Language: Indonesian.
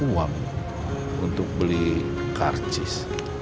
uang untuk beli karcis